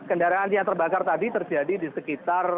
kendaraan yang terbakar tadi terjadi di sekitar